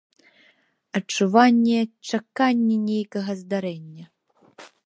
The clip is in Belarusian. Адчуванне чакання нейкага здарэння.